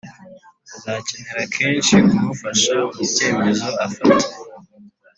uzakenera kenshi kumufasha mubyemezo afata,